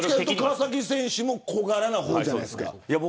川崎選手も小柄な方じゃないですか。